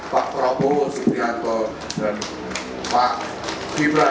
pak prabowo subianto dan pak gibran